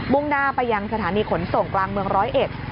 ่งหน้าไปยังสถานีขนส่งกลางเมืองร้อยเอ็ด